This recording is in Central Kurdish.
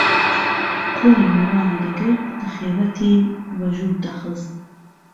قۆڵی میوانی دهگرت له خێوهتێی وە ژوەر دەخست